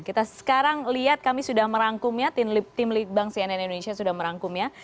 kita sekarang lihat kami sudah merangkumnya tim litbang cnn indonesia sudah merangkumnya